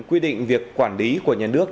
quy định việc quản lý của nhân nước